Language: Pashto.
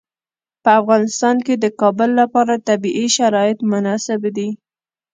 په افغانستان کې د کابل لپاره طبیعي شرایط مناسب دي.